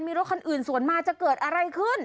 มีรถคันอื่นสวนมาจะเกิดอะไรขึ้น